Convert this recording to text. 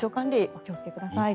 お気をつけください。